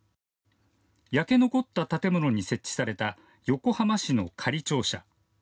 焼け残った建物に設置された横浜市の仮庁舎。